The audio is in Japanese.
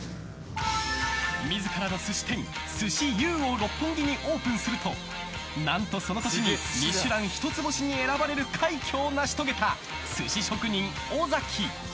自らの寿司店、鮨由うを六本木にオープンすると何とその年に「ミシュラン」一つ星に選ばれる快挙を成し遂げた寿司職人・尾崎。